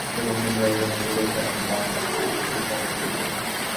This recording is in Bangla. তবে সাব্বিরের স্বপ্ন, ব্যাটিং-বোলিং-ফিল্ডিং তিন বিভাগেই নিজেকে চেনাতে চান দুর্দান্ত রূপে।